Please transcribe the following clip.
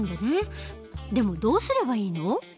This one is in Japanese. でもどうすればいいの？